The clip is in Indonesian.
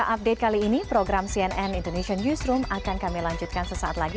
update kali ini program cnn indonesian newsroom akan kami lanjutkan sesaat lagi